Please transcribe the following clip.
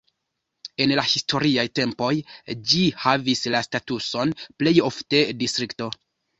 En la historiaj tempoj ĝi havis la statuson plej ofte distrikto.